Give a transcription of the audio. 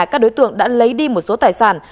các đối tượng đã lấy đi một số tài sản